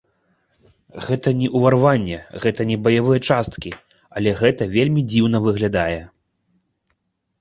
Гэта не ўварванне, гэта не баявыя часткі, але гэта вельмі дзіўна выглядае.